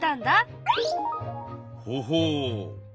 ほほう。